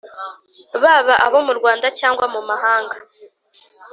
baba abo mu Rwanda cyangwa mu mahanga,